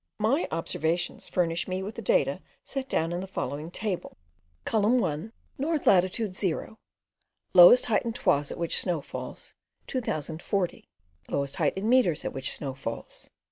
My observations furnished me with the data, set down in the following table: Column 1: North latitude. Column 2: Lowest height in toises at which snow falls. Column 3: Lowest height in metres at which snow falls.